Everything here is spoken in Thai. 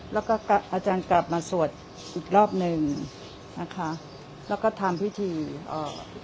แล้วก็อาจารย์กลับมาสวดอีกรอบหนึ่งนะคะแล้วก็ทำพิธีเอ่อ